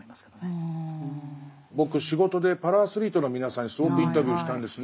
僕仕事でパラアスリートの皆さんにすごくインタビューしたんですね。